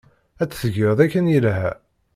Ad t-tged akken yelha.